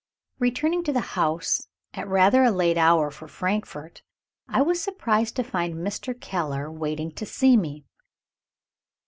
Returning to the house at rather a late hour for Frankfort, I was surprised to find Mr. Keller waiting to see me.